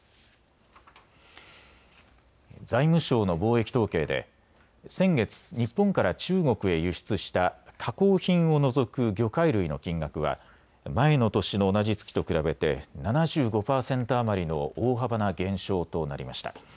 財務省の貿易統計で先月、日本から中国へ輸出した加工品を除く魚介類の金額は前の年の同じ月と比べて７５％余りの大幅な減少となりました。